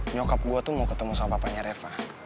nyokap gue tuh mau ketemu sama papanya reva